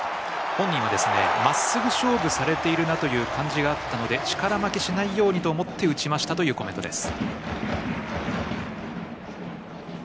本人はまっすぐ勝負されているなという感じがあったので力負けしないようにと思って打ちましたというコメントです。